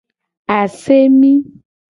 Asemi.